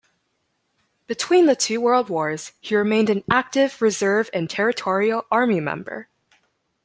Between the two World Wars he remained an active reserve and Territorial Army member.